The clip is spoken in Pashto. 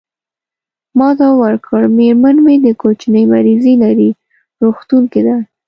ما ځواب ورکړ: میرمن مې د کوچني مریضي لري، روغتون کې ده.